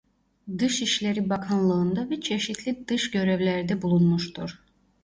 Dışişleri Bakanlığı'nda ve çeşitli dış görevlerde bulunmuştur.